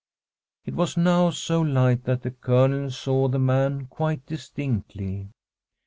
It was now so light that the Colonel saw the man quite distinctly.